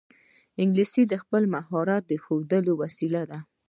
انګلیسي د خپل مهارت ښودلو وسیله ده